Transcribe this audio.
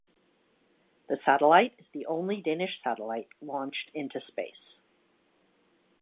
The satellite is the only Danish satellite launched into space.